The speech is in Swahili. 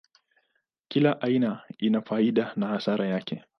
Kila aina ina faida na hasara yake.